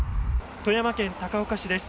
富山県高岡市です。